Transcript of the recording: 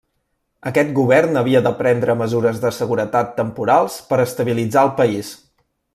Aquest govern havia de prendre mesures de seguretat temporals per estabilitzar el país.